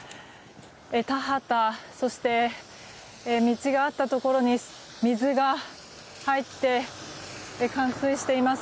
田畑、そして道があったところに水が入って、冠水しています。